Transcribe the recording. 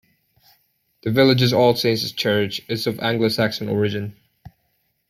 The village's All Saints' Church is of Anglo-Saxon origin.